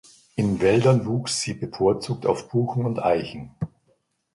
In Wäldern wächst sie bevorzugt auf Buchen und Eichen.